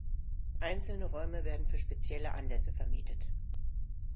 Einzelne Räume werden für spezielle Anlässe vermietet.